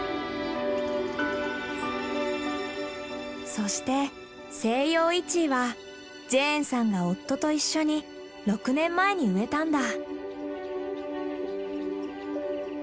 そしてセイヨウイチイはジェーンさんが夫と一緒に６年前に植えたんだ。